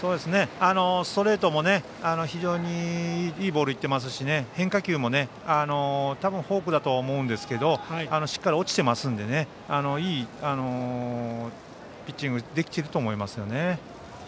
ストレートも、非常にいいボールがいっていますし変化球も多分、フォークだと思いますがしっかり落ちていますのでいいピッチングができていると思いますね。